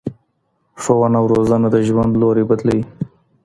ښوونه او روزنه د ژوند لوری بدلوي.